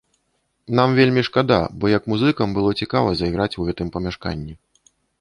Нам вельмі шкада, бо як музыкам было цікава зайграць у гэтым памяшканні.